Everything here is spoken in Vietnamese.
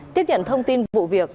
tiếp nhận thông tin vụ việc